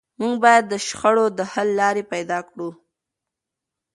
موږ باید د شخړو د حل لارې پیدا کړو.